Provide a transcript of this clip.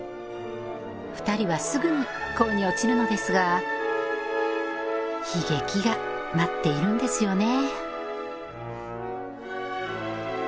二人はすぐに恋に落ちるのですが悲劇が待っているんですよね